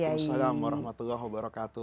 waalaikumsalam warahmatullahi wabarakatuh